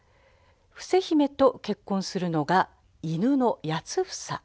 伏姫と結婚するのが犬の八房。